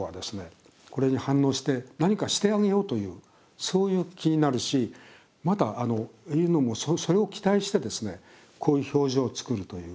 これに反応して何かしてあげようというそういう気になるしまた犬の方もそれを期待してこういう表情を作るという。